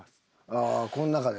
ああこの中で？